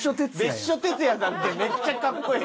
別所哲也さんってめっちゃかっこええ。